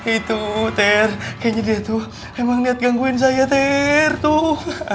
itu ter kayaknya dia tuh emang niat gangguin saya ter tuh